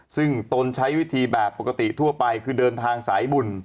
ซึ่งตนใช้วิธีแบบปกติทั่วไปคือเดินทางสายบุญ